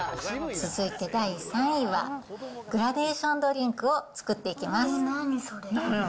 続いて、第３位はグラデーションドリンクを作っていきます。